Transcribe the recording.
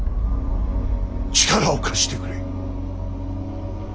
力を貸してくれ。